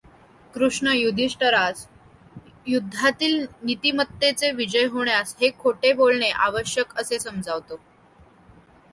कृष्ण युधिष्ठिरास युध्दातील नीतिमत्तेचा विजय होण्यास हे खोटे बोलणे आवश्यक असे समजावतो.